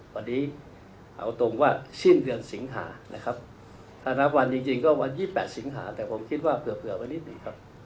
วันนี้เอาตรงว่าสิ้นเดือนสิงหานะครับถ้านับวันจริงก็วัน๒๘สิงหาแต่ผมคิดว่าเผื่อวันนี้ดีครับ